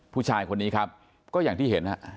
ผู้ชายคนนี้ครับก็อย่างที่เห็น